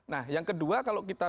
nah yang kedua kalau kita